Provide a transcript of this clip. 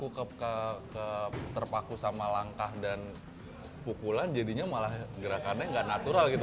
karena kalau kaku terpaku sama langkah dan pukulan jadinya malah gerakannya tidak natural gitu